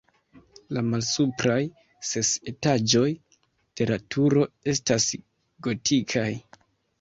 La malsupraj ses etaĝoj de la turo estas gotikaj.